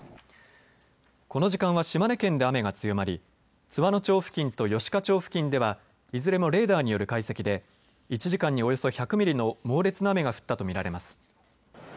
この時間は島根県で雨が強まり津和野町付近と吉賀町付近ではいずれもレーダーによる解析で１時間におよそ１００ミリの猛烈な雨が降ったと見られます。